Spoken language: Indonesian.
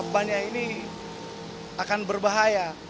bannya ini akan berbahaya